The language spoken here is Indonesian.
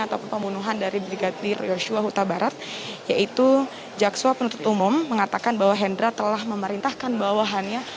ataupun pembunuhan dari brigadir yosua huta barat yaitu jaksa penuntut umum mengatakan bahwa hendra telah memerintahkan bawahannya